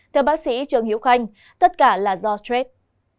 theo bác sĩ trương hiếu khanh tất cả là do stress